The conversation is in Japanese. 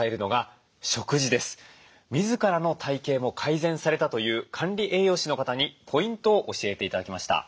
自らの体形も改善されたという管理栄養士の方にポイントを教えて頂きました。